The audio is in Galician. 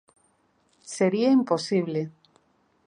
Sería imposible.